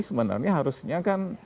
sebenarnya harusnya kan